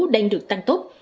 đang được tăng tốt